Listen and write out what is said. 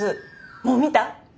もう見た？